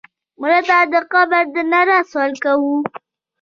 مړه ته د قبر د رڼا سوال کوو